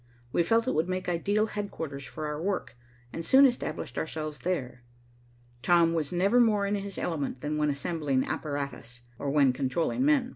We felt it would make ideal headquarters for our work, and soon established ourselves there. Tom was never more in his element than when assembling apparatus, or when controlling men.